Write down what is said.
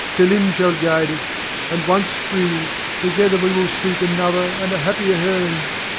Selim shall guide us, and once free, together we will seek another and a happier home.